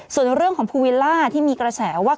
ส่วนในเรื่องของภูวิลล่าที่มีกระแสว่า